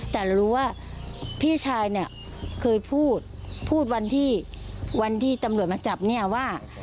แต่เรารู้ว่าพี่ชายเนี่ยเคยพูดพูดวันที่วันที่ตำรวจมาจับเนี่ยว่า